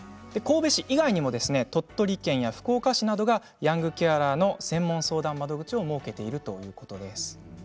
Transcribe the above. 神戸市以外にも鳥取県や福岡市などがヤングケアラーの専門相談窓口を設けているということです。